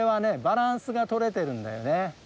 バランスが取れてるんだよね。